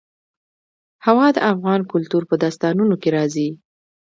هوا د افغان کلتور په داستانونو کې راځي.